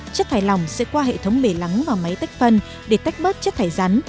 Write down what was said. chất thải lỏng sẽ qua hệ thống bể lắng và máy tách phân để tách bớt chất thải rắn